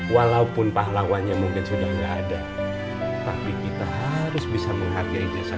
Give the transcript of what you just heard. walaupun pahlawannya mungkin sudah tidak ada tapi kita harus bisa menghargai jasa